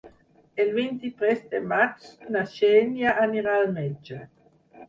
El vint-i-tres de maig na Xènia anirà al metge.